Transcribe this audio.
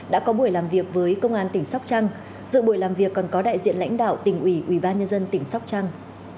đã có buổi làm việc với công an tỉnh sóc trăng dự buổi làm việc còn có đại diện lãnh đạo tỉnh ủy ubnd tỉnh sóc trăng